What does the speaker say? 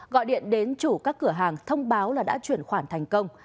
gọi điện đến chủ các cửa hàng thông báo là đã chuyển khoản thành công